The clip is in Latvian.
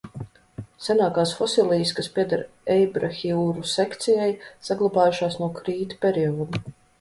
Senākās fosilijas, kas pieder eibrahiuru sekcijai, saglabājušās no krīta perioda.